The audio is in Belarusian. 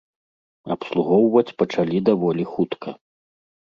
Абслугоўваць пачалі даволі хутка.